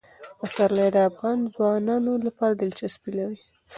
پسرلی د افغان ځوانانو لپاره دلچسپي لري.